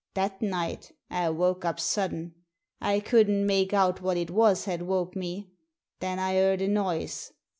That night I woke up sudden. I couldn't make out what it was had woke me. Then I heard a noise.